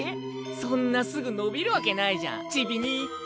そんなすぐのびるわけないじゃんちびにい。